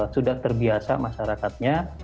sudah terbiasa masyarakatnya